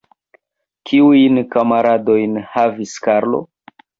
Kiujn kamaradojn havis Karlo?